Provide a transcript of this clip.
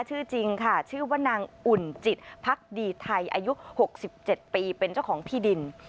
จริงค่ะชื่อว่านางอุ่นจิตพักดีไทยอายุ๖๗ปีเป็นเจ้าของที่ดิน